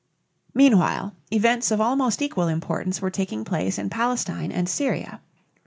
Meanwhile, events of almost equal importance were taking place in Palestine and Syria.